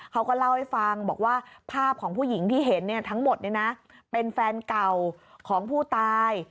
เขาก็เล่าให้ฟังบอกว่าภาพของผู้หญิงที่เห็นทั้งหมดเป็นแฟนเก่าของผู้ตาย